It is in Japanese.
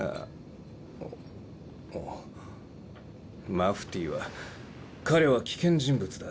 マフティーは彼は危険人物だ。